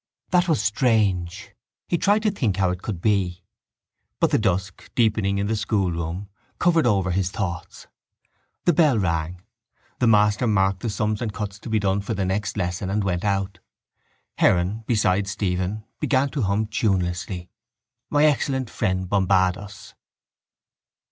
That was strange. He tried to think how it could be but the dusk, deepening in the schoolroom, covered over his thoughts. The bell rang. The master marked the sums and cuts to be done for the next lesson and went out. Heron, beside Stephen, began to hum tunelessly. My excellent friend Bombados.